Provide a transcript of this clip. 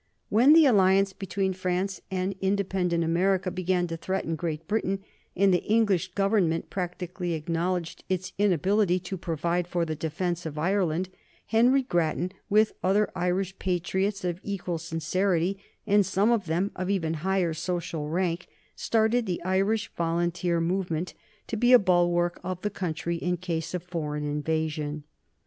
When the alliance between France and independent America began to threaten Great Britain, and the English Government practically acknowledged its inability to provide for the defence of Ireland, Henry Grattan, with other Irish patriots of equal sincerity, and some of them of even higher social rank, started the Irish Volunteer movement, to be a bulwark of the country in case of foreign invasion.